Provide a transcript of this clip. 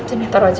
ini taruh aja